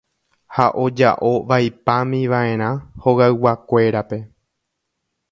Ha oja'o vaipámiva'erã hogayguakuérape.